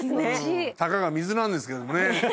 たかが水なんですけどもね。